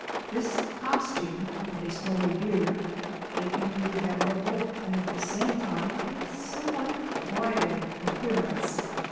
This costume, with a snowy beard, gave him a vener able, and at the same time a somewhat bridal appearance.